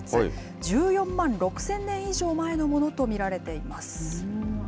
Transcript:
１４万６０００年以上前のものと見られています。